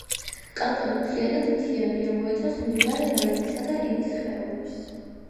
კანტონი მთლიანად მთიანია, მოიცავს მდინარე რაინისა და ინის ხეობებს.